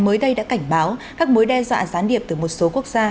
mới đây đã cảnh báo các mối đe dọa gián điệp từ một số quốc gia